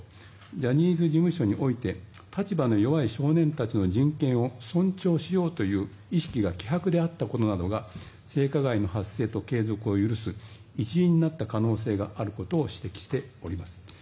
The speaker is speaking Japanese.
ジャニーズ事務所において立場の弱い少年たちの人権を尊重しようという意識が希薄であったことなどが性加害の発生と継続を許す一因になった可能性があることを指摘しております。